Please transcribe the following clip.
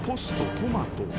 トマト］